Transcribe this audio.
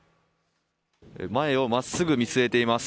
前をまっすぐ見据えています。